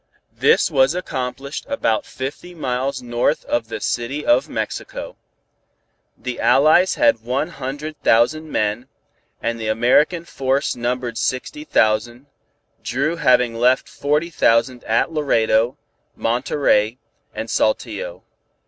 This was accomplished about fifty miles north of the City of Mexico. The allies had one hundred thousand men, and the American force numbered sixty thousand, Dru having left forty thousand at Laredo, Monterey and Saltillo.